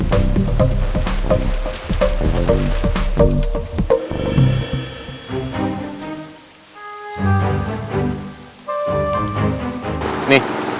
gak mungkin kan